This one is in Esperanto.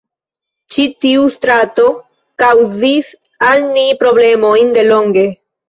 Ĉi tiu strato kaŭzis al ni problemojn delonge.